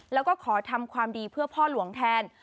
แล้วก็ขอทำความดีเพื่อพ่อหลวงแทน